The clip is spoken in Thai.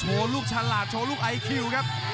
โหทีโฬชลุคอีคิวครับ